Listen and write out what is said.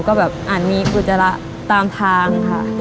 ก็แบบอาจมีอุจจาระตามทางค่ะ